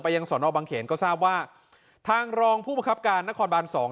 ยังสอนอบังเขนก็ทราบว่าทางรองผู้ประคับการนครบานสอง